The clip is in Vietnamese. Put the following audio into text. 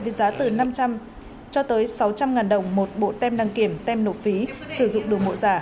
viết giá từ năm trăm linh cho tới sáu trăm linh đồng một bộ tem đăng kiểm tem nộp phí sử dụng đường mộ giả